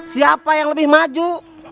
siapa yang lebih maju